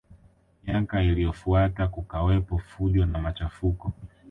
Miaka iliyofuata kukawepo fujo na machafuko